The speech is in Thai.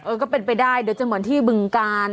ก็เป็นไปได้เดี๋ยวจะเหมือนที่บึงกาล